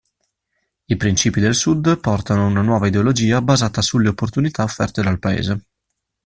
I principi del Sud portano una nuova ideologia basata sulle opportunità offerte dal paese.